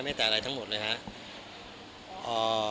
แต่อะไรทั้งหมดเลยครับ